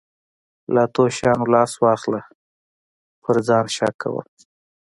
له اتو شیانو لاس واخله په ځان شک کول.